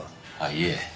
いえ。